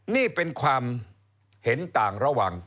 นี่เป็นความเห็นต่างระหว่าง